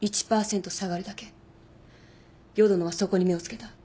淀野はそこに目を付けた。